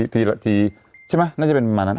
ทีละทีใช่มั้ยน่าจะเป็นมานั้น